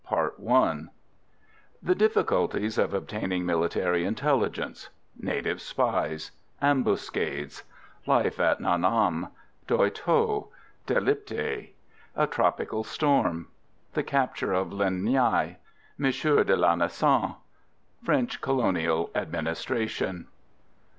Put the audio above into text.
CHAPTER IV The difficulties of obtaining military intelligence Native spies Ambuscades Life at Nha Nam Doy Tho De Lipthay A tropical storm The capture of Linh Nghi Monsieur de Lanessan French colonial administration.